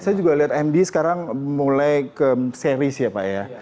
saya juga lihat md sekarang mulai ke series ya pak ya